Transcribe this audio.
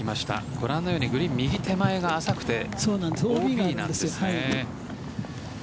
ご覧のようにグリーン右手前が浅くてＯＢなんですね。